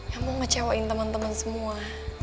yang mau ngecewain temen temen semua